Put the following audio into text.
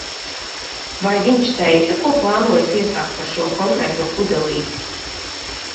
Vai viņš teica, ko plānojis iesākt ar šo konkrēto pudelīti?